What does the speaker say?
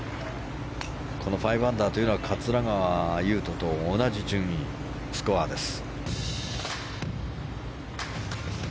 この５アンダーというのは桂川有人と同じ順位、スコアです。